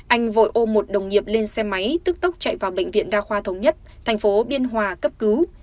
anh vội ô một đồng nghiệp lên xe máy tức tốc chạy vào bệnh viện đa khoa thống nhất thành phố biên hòa cấp cứu